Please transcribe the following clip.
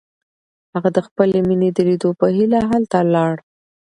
هغه د خپلې مینې د لیدو په هیله هلته لاړ.